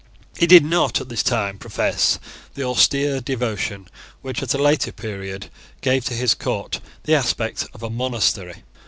He did not at this time profess the austere devotion which, at a later period, gave to his court the aspect of a monastery.